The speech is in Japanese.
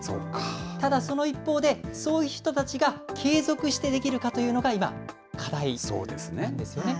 ただその一方で、そういう人たちが継続してできるかというのが今、課題なんですよね。